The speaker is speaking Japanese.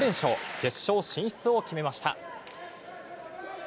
決勝進出を決めました。